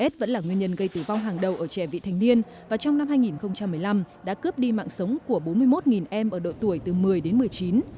s vẫn là nguyên nhân gây tử vong hàng đầu ở trẻ vị thành niên và trong năm hai nghìn một mươi năm đã cướp đi mạng sống của bốn mươi một em ở độ tuổi từ một mươi đến một mươi chín